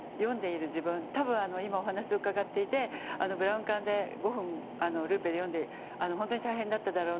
多分今お話を伺っていてブラウン管で５分ルーペで読んで本当に大変だっただろうなと思います。